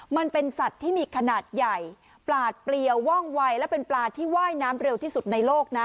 มันเป็นสัตว์ที่มีขนาดใหญ่ปลาดเปลี่ยวว่องวัยและเป็นปลาที่ว่ายน้ำเร็วที่สุดในโลกนะ